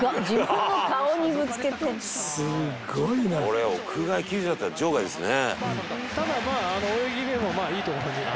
「これ屋外球場だったら場外ですね」